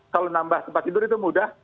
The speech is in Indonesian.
kalau nambah tempat tidur itu mudah